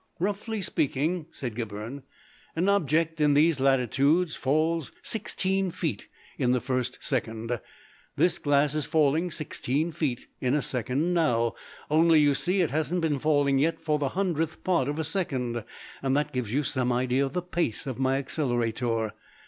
"Roughly speaking," said Gibberne, "an object in these latitudes falls 16 feet in the first second. This glass is falling 16 feet in a second now. Only, you see, it hasn't been falling yet for the hundredth part of a second. That gives you some idea of the pace of my Accelerator."